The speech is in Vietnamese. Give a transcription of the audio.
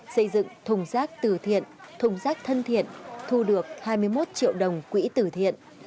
xây dựng thùng rác tử thiện thùng rác thân thiện thu được hai mươi một triệu đồng quỹ tử thiện